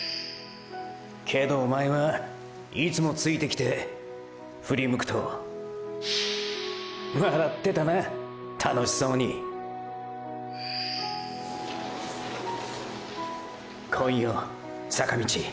けどおまえはいつもついてきてふり向くと笑ってたな楽しそうに来いよ坂道。